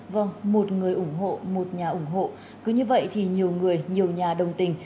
vâng một người ủng hộ một nhà ủng hộ cứ như vậy thì nhiều người nhiều nhà đồng tình